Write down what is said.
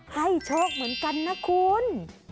โชคเหมือนกันนะคุณ